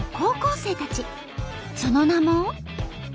その名も。